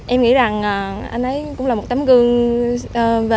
em nghĩ rằng anh ấy cũng là một tấm gương về vượt qua khó khăn